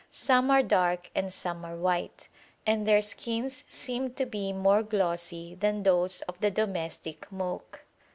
Some are dark and some are white, and their skins seemed to be more glossy than those of the domestic moke.